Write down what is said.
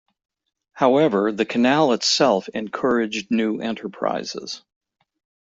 However, the canal itself encouraged new enterprises.